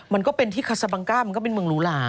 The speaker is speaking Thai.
มันก็เป็นที่คาซาบังก้ามันก็เป็นเมืองหรูหลา